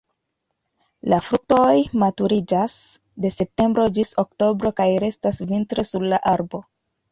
La fruktoj maturiĝas de septembro ĝis oktobro kaj restas vintre sur la arbo.